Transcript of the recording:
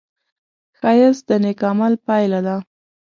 ښایست د نېک عمل پایله ده